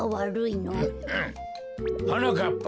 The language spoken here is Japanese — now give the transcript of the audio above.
はなかっぱ。